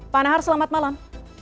pak nahar selamat malam